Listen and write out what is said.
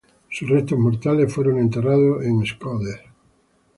Sus restos mortales fueron enterrados en Shkodër.